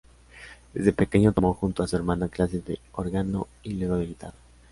Desde pequeña tomó junto a su hermana clases de órgano y luego de guitarra.